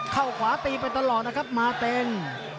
เข้าขวาตีไปตลอดนะครับมาเต็ม